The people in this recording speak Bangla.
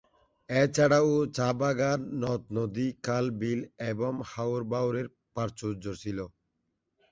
এছাড়াও চা বাগান, নদ-নদী, খাল-বিল এবং হাওর-বাওরের প্রাচুর্য ছিলো।